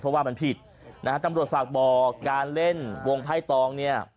เพราะว่ามันผิดนะฮะตำรวจฝากบอกการเล่นวงไพ่ตองเนี่ย